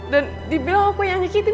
dan dibilang aku yang nyakitin